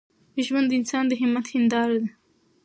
ژوند د انسان د همت هنداره ده.